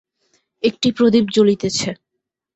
একটি প্রদীপ জ্বলিতেছে।